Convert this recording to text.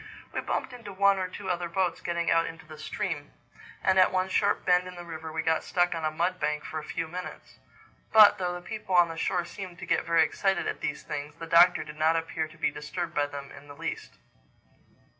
We bumped into one or two other boats getting out into the stream; and at one sharp bend in the river we got stuck on a mud bank for a few minutes. But though the people on the shore seemed to get very excited at these things, the Doctor did not appear to be disturbed by them in the least.